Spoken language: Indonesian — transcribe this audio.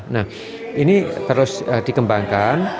nah ini terus dikembangkan